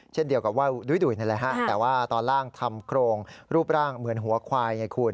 เช่นเดียวกับว่าดุ้ยนี่แหละฮะแต่ว่าตอนล่างทำโครงรูปร่างเหมือนหัวควายไงคุณ